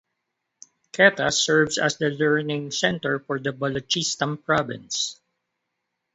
Quetta serves as the learning center for the Balochistan province.